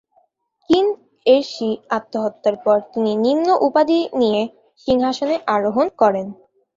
কিন Er Shi আত্মহত্যার পর তিনি নিম্ন উপাধি নিয়ে সিংহাসনে আরোহণ করেন।